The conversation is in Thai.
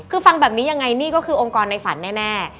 คือฟังแบบนี้ยังไงนี่ก็คือองค์กรในฝันแน่